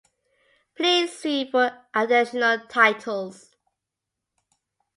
Please see for additional titles.